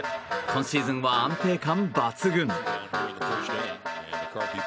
今シーズンは安定感抜群。